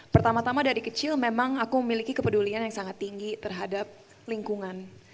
pertama tama dari kecil memang aku memiliki kepedulian yang sangat tinggi terhadap lingkungan